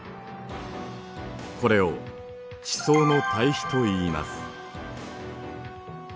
これを地層の対比といいます。